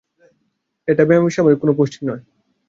এটা বেসামরিক কোন পোস্টিং নয়।